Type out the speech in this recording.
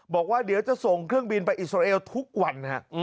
บอกว่าเดี๋ยวจะส่งเครื่องบินไปอิสราเอลทุกวัน